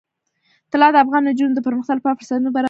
طلا د افغان نجونو د پرمختګ لپاره فرصتونه برابروي.